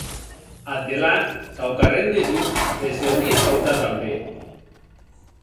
Ath delà, quauquarren de jo les deuie shautar tanben.